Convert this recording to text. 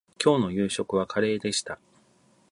きょうの夕飯はカレーでした